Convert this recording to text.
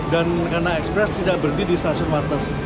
dan karena express tidak berdiri di stasiun martes